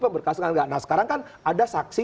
pemberkas kan nggak nah sekarang kan ada saksi